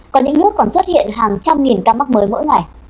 có những nước còn xuất hiện hàng trăm nghìn ca mắc mới mỗi ngày